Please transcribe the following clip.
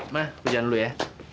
mah hujan dulu ya